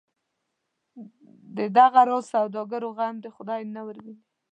د دغه راز سوداګرو غم دی خدای نه راوویني.